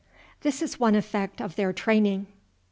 This is one effect of their training.